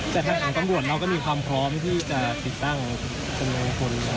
แต่ท่านของกังวลเราก็มีความพร้อมที่จะติดตั้งคน